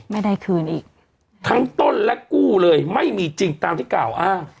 ไม่ได้คืนอีกทั้งต้นและกู้เลยไม่มีจริงตามที่กล่าวอ้าง